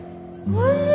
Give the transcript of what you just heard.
おいしい？